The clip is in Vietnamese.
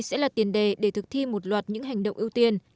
sẽ là tiền đề để thực thi một loạt những hành động ưu tiên